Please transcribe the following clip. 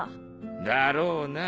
だろうな。